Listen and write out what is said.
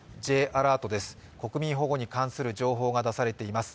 Ｊアラートです。